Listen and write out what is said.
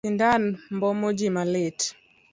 Sindan mbomo ji malit.